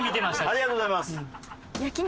ありがとうございます。